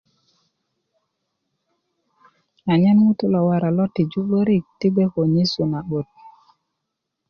anyen ŋutu' lo wara lo tiju 'börik ti gbe ko nyesu na'but